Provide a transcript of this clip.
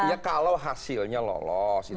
ya kalau hasilnya lolos